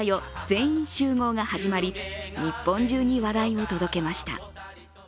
全員集合」が始まり、日本中に笑いを届けました。